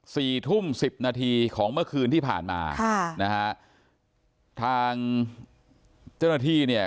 สี่ทุ่มสิบนาทีของเมื่อคืนที่ผ่านมาค่ะนะฮะทางเจ้าหน้าที่เนี่ย